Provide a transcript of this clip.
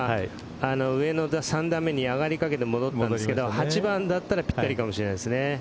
３打目に上がりかけて戻りましたが８番だったらぴったりかもしれないですね。